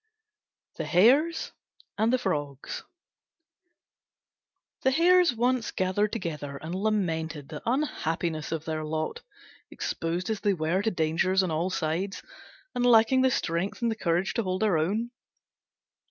THE HARES AND THE FROGS The Hares once gathered together and lamented the unhappiness of their lot, exposed as they were to dangers on all sides and lacking the strength and the courage to hold their own.